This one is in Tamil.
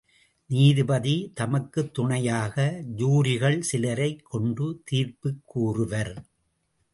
நீதிபதி தமக்குத் துணையாக ஜூரிகள் சிலரைக கொண்டு தீர்ப்புக் கூறுவர்.